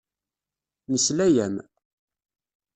Nesla-am.